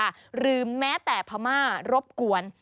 หรือแม้แต่พม่ารบกวน